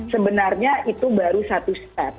sebenarnya itu baru satu step